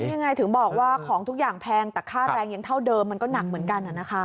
ยังไงถึงบอกว่าของทุกอย่างแพงแต่ค่าแรงยังเท่าเดิมมันก็หนักเหมือนกัน